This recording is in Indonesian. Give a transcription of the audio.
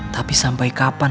tapi sampai kapan